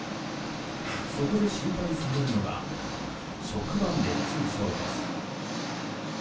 そこで心配されるのが職場熱中症です。